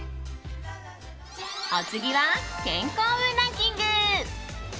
お次は健康運ランキング。